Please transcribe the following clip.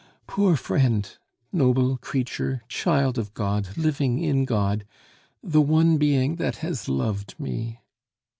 "Poor friend, noble creature, child of God, living in God!... The one being that has loved me...."